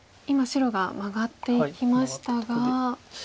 今白がマガっていきましたが。